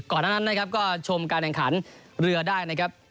ทั้งนั้นนะครับก็ชมการแข่งขันเรือได้นะครับ